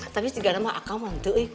tapi setidaknya sama akang mantu